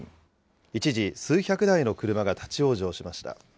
一時、数百台の車が立往生しました。